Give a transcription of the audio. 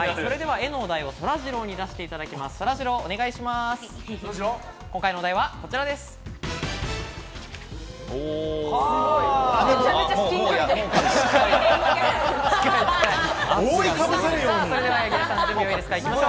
絵のお題をそらジローに出してもらいます。